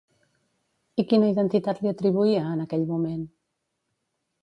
I quina identitat li atribuïa, en aquell moment?